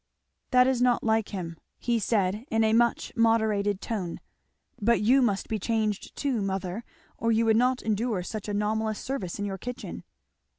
"That is not like him," he said in a much moderated tone. "But you must be changed too, mother, or you would not endure such anomalous service in your kitchen."